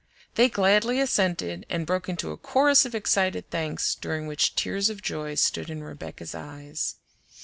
They gladly assented, and broke into a chorus of excited thanks during which tears of joy stood in Rebecca's eyes.